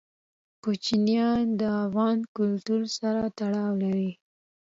کوچیان د افغان کلتور سره تړاو لري.